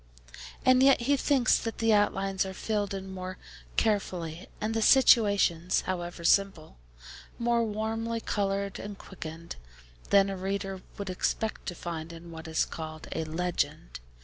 And yet he thinks that the outlines are filled in more carefully, and the situations (however simple) more warmly coloured and quickened, than a reader would expect to find in what is called a 'legend.'